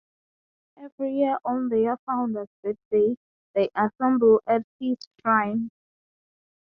Every year on their founder's birthday they assemble at his shrine.